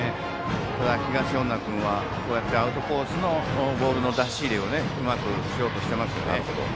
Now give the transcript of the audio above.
東恩納君はアウトコースのボールの出し入れをうまくしようとしていますね。